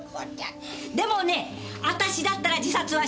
でもね私だったら自殺はしない。